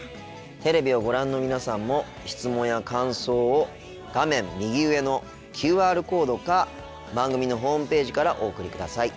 テレビをご覧の皆さんも質問や感想を画面右上のＱＲコードか番組のホームページからお送りください。